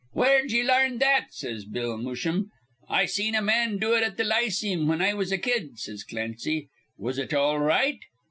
'Where'd ye larn that?' says Bill Musham. 'I seen a man do it at th' Lyceem whin I was a kid,' says Clancy. 'Was it all right?'